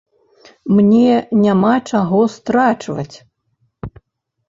Мне няма чаго страчваць.